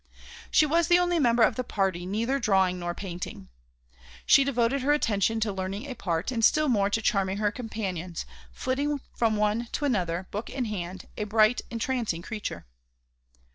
She was the only member of the party neither drawing nor painting. She devoted her attention to learning a part and still more to charming her companions, flitting from one to another, book in hand, a bright, entrancing creature.